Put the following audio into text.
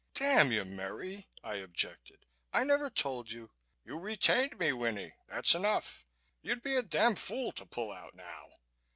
"Damn you, Merry," I objected. "I never told you " "You retained me, Winnie. That's enough. You'd be a damn fool to pull out now.